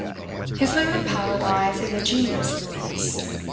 His lyric power lies in the genius of the piece.